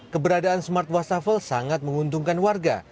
keberadaan smart wastafel sangat menguntungkan warga